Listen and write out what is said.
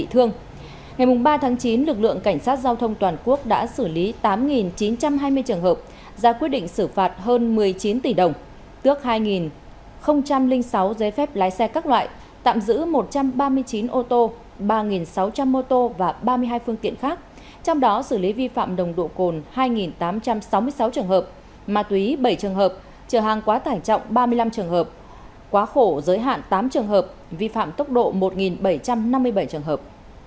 trong đó xử lý vi phạm đồng độ cồn hai tám trăm sáu mươi sáu trường hợp ma túy bảy trường hợp trở hàng quá tải trọng ba mươi năm trường hợp quá khổ giới hạn tám trường hợp vi phạm tốc độ một bảy trăm năm mươi bảy trường hợp